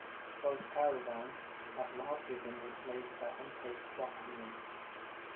Both caravans have largely been replaced by unpaved truck routes.